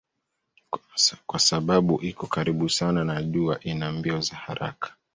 Kwa sababu iko karibu sana na jua ina mbio za haraka.